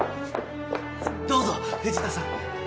どうぞ藤田さん